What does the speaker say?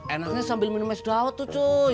enaknya sambil minum es dawet tuh cuy